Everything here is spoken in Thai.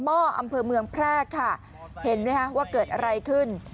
ห้ออำเภอเมืองแพร่ค่ะเห็นไหมคะว่าเกิดอะไรขึ้น